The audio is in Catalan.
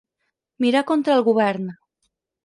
Mirar contra el govern.